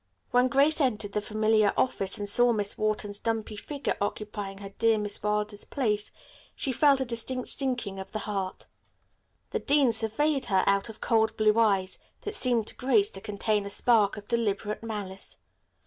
When Grace entered the familiar office and saw Miss Wharton's dumpy figure occupying her dear Miss Wilder's place she felt a distinct sinking of the heart. The dean surveyed her out of cold blue eyes, that seemed to Grace to contain a spark of deliberate malice.